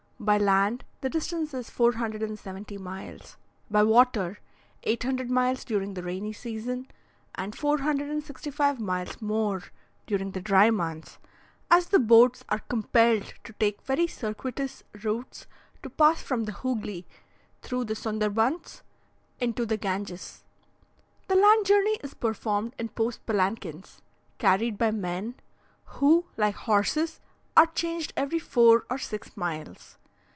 By land, the distance is 470 miles; by water, 800 miles during the rainy season, and 465 miles more during the dry months, as the boats are compelled to take very circuitous routes to pass from the Hoogly, through the Sonderbunds, into the Ganges. The land journey is performed in post palanquins, carried by men, who, like horses, are changed every four or six miles.